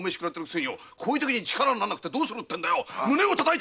こういう時力にならなくってどうすんだい